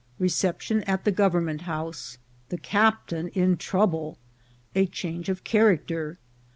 eJ4VJ Reception at the Government House. — The Captain in Trouble. — A Change cf Character.